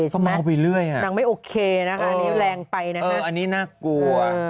ก็เมาไปเรื่อยนางไม่โอเคนะคะอันนี้แรงไปนะฮะอันนี้น่ากลัว